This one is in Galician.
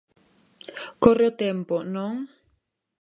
Corre o tempo, ¿non?